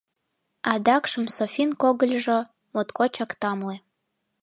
Адакшым Софин когыльыжо моткочак тамле...